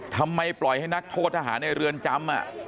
ทำไมปล่อยให้นักโทษทหารในเรือนจำ